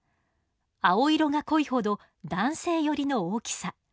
青色が濃いほど男性寄りの大きさ。